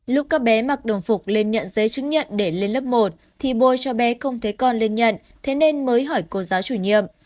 lúc các bé mặc đồng phục lên nhận giấy chứng nhận để lên lớp một thì bôi cho bé không thấy con lên nhận thế nên mới hỏi cô giáo chủ nhiệm